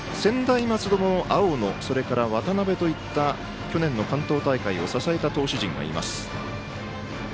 専大松戸も青野、渡辺といった去年の関東大会を支えた投手陣がいます。